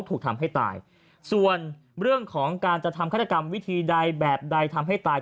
ถูกทำให้ตายส่วนเรื่องของการจะทำฆาตกรรมวิธีใดแบบใดทำให้ตาย